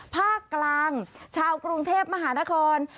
ภาคกลางชาวกรุงเทพมหานคร